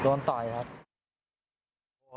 โดนต่อยครับ